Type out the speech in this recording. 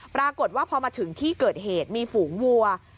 ปรากฏว่าพอมาถึงที่เกิดเหตุมีฝูงวัว